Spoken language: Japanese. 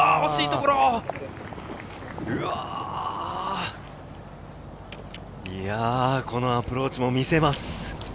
このアプローチも見せます。